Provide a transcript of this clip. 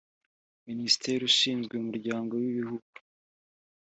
minisiteri ishinzwe umuryango w ibihugu